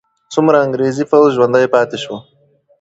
څومره انګریزي پوځ ژوندی پاتې سو؟